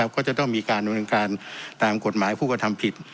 ก็จะต้องมีการดำเนินการตามกฎหมายผู้กระทำผิด